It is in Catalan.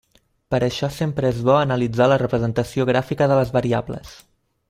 Per això sempre és bo analitzar la representació gràfica de les variables.